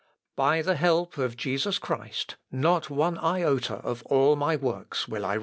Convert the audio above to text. By the help of Jesus Christ, not one iota of all my works will I retract."